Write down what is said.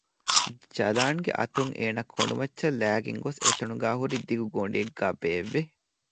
ޖަލާން ގެ އަތް އޭނަ ކޮނޑުމައްޗަށް ލައިގެން ގޮސް އެތަނުގައި ހުރި ދިގު ގޮޑިއެއްގައި ބޭއްވި